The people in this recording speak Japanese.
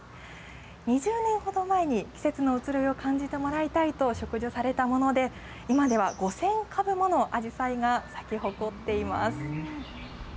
２０年ほど前に季節の移ろいを感じてもらいたいと植樹されたもので、今では５０００株ものアジサイが咲き誇っています。